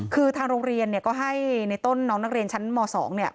คือทางโรงเรียนเนี่ยก็ให้ในต้นน้องนักเรียนชั้นม๒เนี่ย